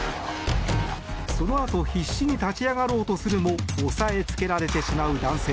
そのあと必死に立ち上がろうとするも押さえつけられてしまう男性。